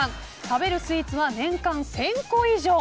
食べるスイーツは年間１０００個以上。